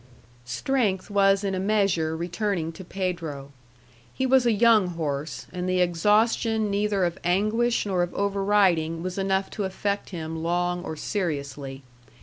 Strength was in a measure returning to Pedro. He was a young horse, and the exhaustion neither of anguish nor of over riding was enough to affect him long or seriously.